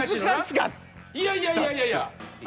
いやいやいやいやいや！